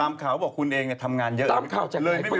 ตามข่าวบอกว่าคุณเองเนี่ยทำงานเยอะเลยไม่มีเวลาให้เขา